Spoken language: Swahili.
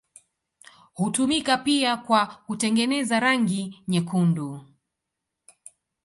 Hutumika pia kwa kutengeneza rangi nyekundu.